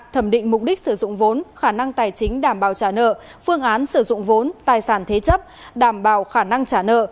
thẩm định mục đích sử dụng vốn khả năng tài chính đảm bảo trả nợ phương án sử dụng vốn tài sản thế chấp đảm bảo khả năng trả nợ